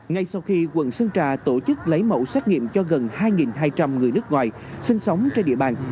ngay sau khi quận sơn trà tổ chức lấy mẫu xét nghiệm cho gần hai hai trăm linh người nước ngoài sinh sống trên địa bàn